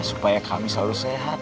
supaya kami selalu sehat